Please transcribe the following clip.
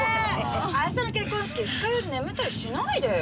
明日の結婚式二日酔いで眠ったりしないでよ。